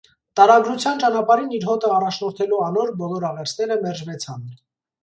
Տարագրութեան ճանապարհին իր հօտը առաջնորդելու անոր բոլոր աղերսները մերժուեցան։